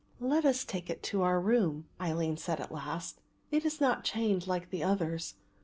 "Let us take it to our room," Aline said at last; "it is not chained like the others.